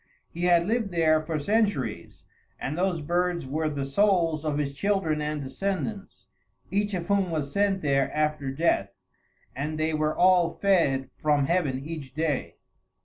He had lived there for centuries, and those birds were the souls of his children and descendants, each of whom was sent there after death, and they were all fed from heaven each day.